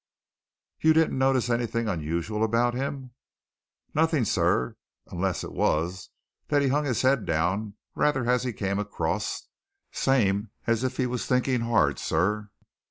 "You didn't notice anything unusual about him?" "Nothing, sir unless it was that he hung his head down rather as he came across same as if he was thinking hard, sir."